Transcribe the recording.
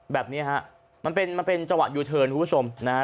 แบบนี้ฮะมันเป็นมันเป็นจังหวะยูเทิร์นคุณผู้ชมนะฮะ